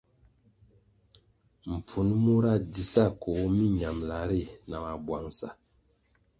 Mpfun mura dzi sa koh miñambʼla ri na mabwangʼsa.